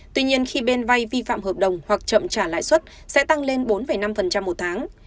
tuy nhiên khi bên vay vi phạm hợp đồng hoặc chậm trả lãi suất sẽ tăng lên bốn năm một tháng